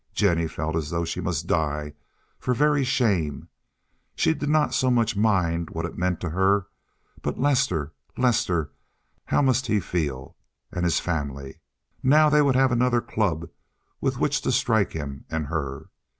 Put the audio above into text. Jennie felt as though she must die for very shame. She did not so much mind what it meant to her, but Lester, Lester, how must he feel? And his family? Now they would have another club with which to strike him and her.